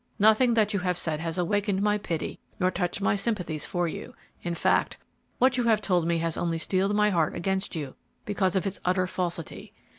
Nothing that you have said has awakened my pity or touched my sympathies for you; in fact, what you have told me has only steeled my heart against you because of its utter falsity.